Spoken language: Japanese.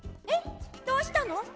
えっどうしたの？